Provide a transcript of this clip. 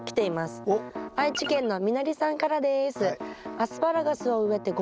愛知県のみのりさんからです。